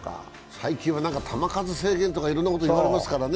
最近は球数制限とかいろいろなこと言われますからね。